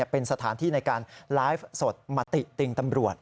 เป็นสถานที่ในการไลฟ์สดมาติติงตำรวจ